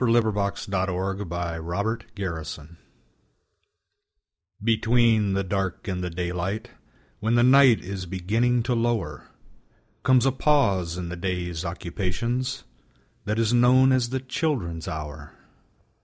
FLIGHT THE SECOND THE CHILDREN'S HOUR Between the dark and the daylight, When the night is beginning to lower, Comes a pause in the day's occupations, That is known as the Children's Hour.